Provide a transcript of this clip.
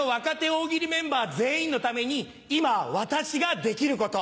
大喜利メンバー全員のために今私ができること。